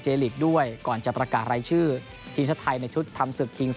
ลีกด้วยก่อนจะประกาศรายชื่อทีมชาติไทยในชุดทำศึกคิง๒